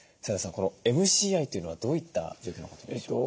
このＭＣＩというのはどういった状況のことでしょうか？